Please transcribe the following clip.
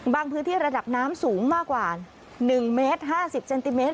พื้นที่ระดับน้ำสูงมากกว่า๑เมตร๕๐เซนติเมตร